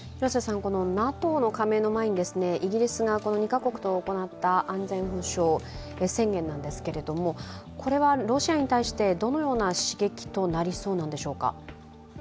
ＮＡＴＯの加盟の前にイギリスが２カ国と行った安全保障宣言なんですけれどもこれはロシアに対してどのような刺激となりそうなんでしょうか？